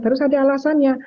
terus ada alasannya